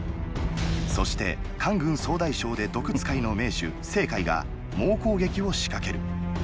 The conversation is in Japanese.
そして韓軍総大将で毒使いの名手・成恢が猛攻撃を仕掛ける。